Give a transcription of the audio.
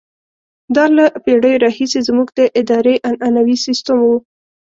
دا له پېړیو راهیسې زموږ د ادارې عنعنوي سیستم وو.